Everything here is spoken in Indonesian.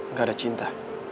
gak ada cinta